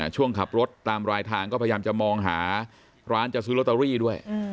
ช่วงขับรถตามรายทางก็พยายามจะมองหาร้านจะซื้อลอตเตอรี่ด้วย